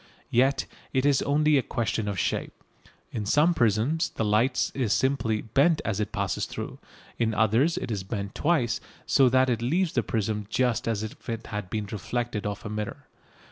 Yet it is only a question of shape. In some prisms the light is simply bent as it passes through. In others it is bent twice, so that it leaves the prism just as if it had been reflected off a mirror.